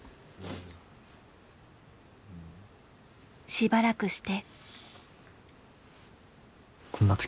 しばらくして。